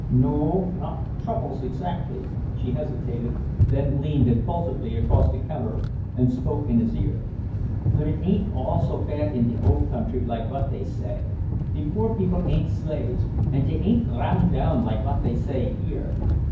"No o, not troubles, exactly." She hesitated, then leaned impulsively across the counter and spoke in his ear. "But it ain't all so bad in de Old Country like what dey say. De poor people ain't slaves, and dey ain't ground down like what dey say here.